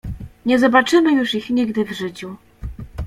"Nie zobaczymy już ich nigdy w życiu."